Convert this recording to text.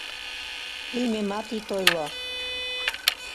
Лӱмемат ит ойло.